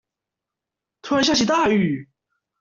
突然下起大雨